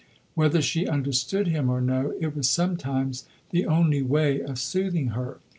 Whether she understood him or no it was sometimes the only way of soothing her.